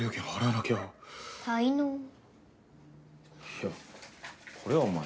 いやこれはお前。